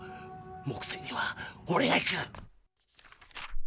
木星にはオレが行く。